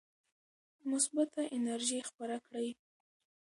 مثبته انرژي خپره کړئ.